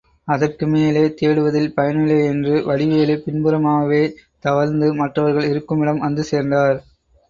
அதற்கு மேலே தேடுவதில் பயனில்லை என்று வடிவேலு, பின்புறமாகவே தவழ்ந்து, மற்றவர்கள் இருக்குமிடம் வந்து சேர்ந்தார்.